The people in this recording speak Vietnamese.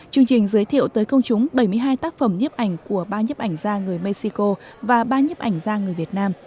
chương trình giới thiệu tới công chúng bảy mươi hai tác phẩm nhiếp ảnh của ba nhếp ảnh gia người mexico và ba nhếp ảnh gia người việt nam